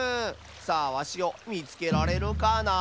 さあわしをみつけられるかな？